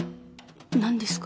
何ですか？